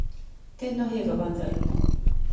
天皇陛下万歳